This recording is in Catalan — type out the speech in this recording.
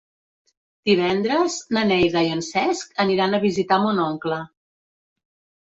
Divendres na Neida i en Cesc aniran a visitar mon oncle.